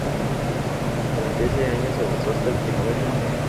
Durante ese año se avanzó hasta el km.